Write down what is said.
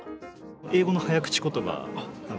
英語の早口言葉なんですけど。